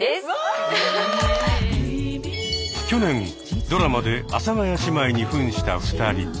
去年ドラマで阿佐ヶ谷姉妹にふんした２人。